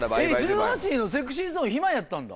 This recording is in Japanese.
１８のＳｅｘｙＺｏｎｅ暇やったんだ。